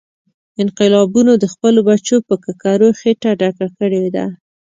انقلابونو د خپلو بچو په ککرو خېټه ډکه کړې ده.